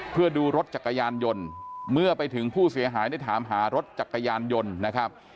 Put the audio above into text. เพื่อดูรถจักรยานยนต์เมื่อไปถึงผู้เสียหายได้ถามหารถจักรยานยนต์นะครับ